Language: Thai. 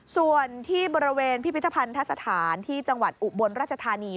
ส่วนที่บริเวณพิพิธภัณฑสถานที่จังหวัดอุบลราชธานี